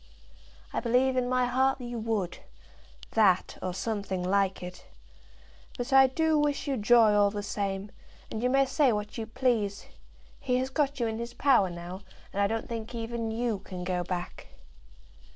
"I believe in my heart you would; that, or something like it. But I do wish you joy all the same, and you may say what you please. He has got you in his power now, and I don't think even you can go back."